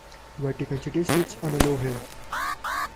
Vatican City sits on a low hill.